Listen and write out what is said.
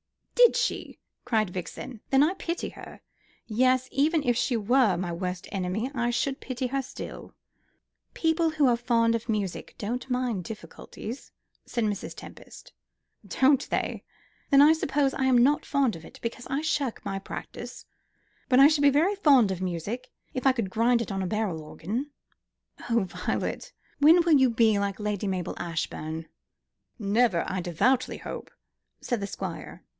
"Did she!" cried Vixen. "Then I pity her. Yes, even if she were my worst enemy I should still pity her." "People who are fond of music don't mind difficulties," said Mrs. Tempest. "Don't they? Then I suppose I'm not fond of it, because I shirk my practice. But I should be very fond of music if I could grind it on a barrel organ." "Oh, Violet, when will you be like Lady Mabel Ashbourne?" "Never, I devoutly hope," said the Squire.